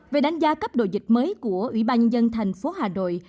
về đánh giá cấp độ dịch mới của ủy ban nhân dân thành phố hà nội